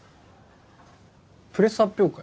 プレス発表会？